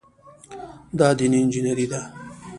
دا دیني انجینیري ده.